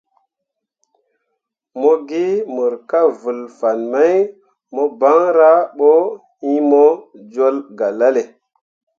Mo gi mor kah vǝl fan mai mo banra bo iŋ mo jol galale.